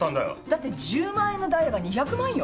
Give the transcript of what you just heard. だって１０万円のダイヤが２００万よ。